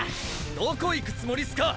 どこいくつもりすか！！